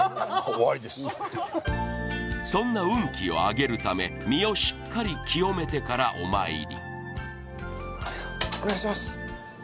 そんな運気を上げるため身をしっかり清めてからお参りお願いします！